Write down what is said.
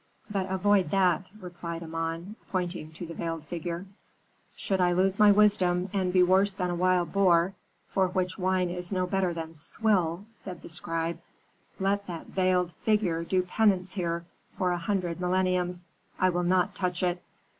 "'But avoid that,' replied Amon, pointing to the veiled figure. "'Should I lose my wisdom, and be worse than a wild boar, for which wine is no better than swill,' said the scribe; 'let that veiled figure do penance here for a hundred millenniums, I will not touch it.'